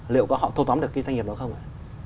liệu có họ thu tóm được cái doanh nghiệp đó không ạ